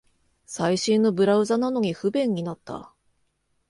最新のブラウザなのに不便になった